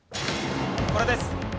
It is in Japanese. これです。